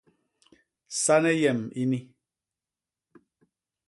Sane yem ini!